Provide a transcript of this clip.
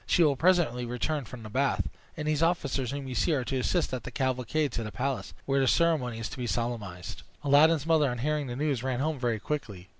She will presently return from the bath; and these officers whom you see are to assist at the cavalcade to the palace, where the ceremony is to be solemnized." Aladdin's mother on hearing this news ran home very quickly.